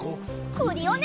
クリオネ！